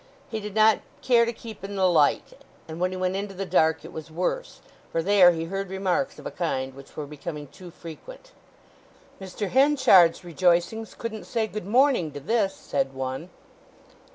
He did not care to keep in the light, and when he went into the dark it was worse, for there he heard remarks of a kind which were becoming too frequent: "Mr. Henchard's rejoicings couldn't say good morning to this," said one.